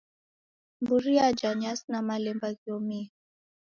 Mburi raja nyasi na malemba ghiomie.